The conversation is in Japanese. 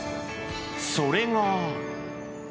それが。